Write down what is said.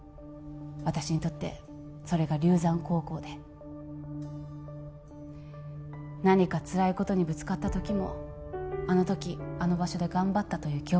私にとってそれが龍山高校で何かつらいことにぶつかった時もあの時あの場所で頑張ったという記憶が支えてくれる